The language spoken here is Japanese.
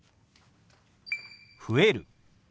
「増える」。